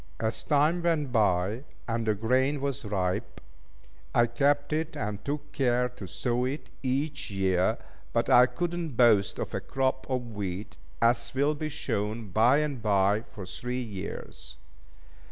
As time went by, and the grain was ripe, I kept it, and took care to sow it each year; but I could not boast of a crop of wheat, as will be shown bye and bye, for three years.